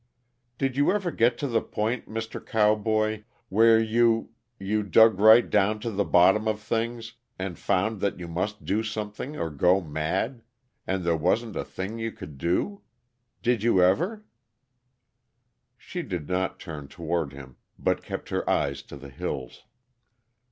"Did you ever get to the point, Mr. Cowboy, where you you dug right down to the bottom of things, and found that you must do something or go mad and there wasn't a thing you could do? Did you ever?" She did not turn toward him, but kept her eyes to the hills.